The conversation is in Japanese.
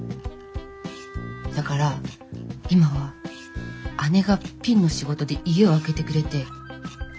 だから今は姉がピンの仕事で家を空けてくれて正直助かってるんです。